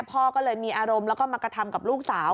พ่อก็เลยมีอารมณ์แล้วก็มากระทำกับลูกสาว